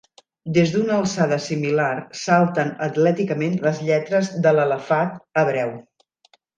Des d'una alçada similar salten atlèticament les lletres de l'alefat hebreu.